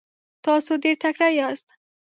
تاسو ډیر تکړه یاست.